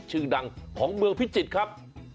ชื่อดังของเมืองพิจิตรครับ